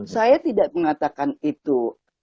saya tidak mengatakan itu